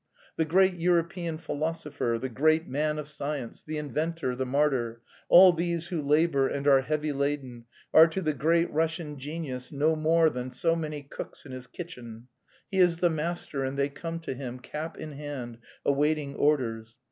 The great European philosopher, the great man of science, the inventor, the martyr all these who labour and are heavy laden, are to the great Russian genius no more than so many cooks in his kitchen. He is the master and they come to him, cap in hand, awaiting orders.